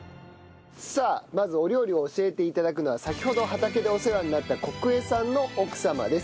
さあまずお料理を教えて頂くのは先ほど畑でお世話になった小久江さんの奥様です。